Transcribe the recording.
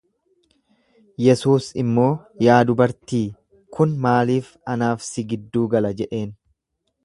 Yesuus immoo, Yaa dubartii, kun maaliif anaaf si gidduu gala jedheen.